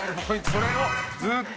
それをずっと。